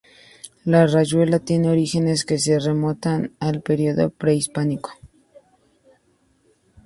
La rayuela tiene orígenes que se remontan al periodo prehispánico.